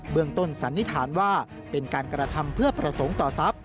เมืองต้นสันนิษฐานว่าเป็นการกระทำเพื่อประสงค์ต่อทรัพย